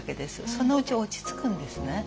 そのうち落ち着くんですね。